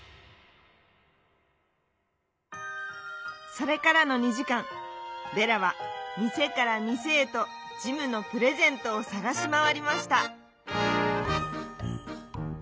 それからの２じかんデラはみせからみせへとジムのプレゼントをさがしまわりました。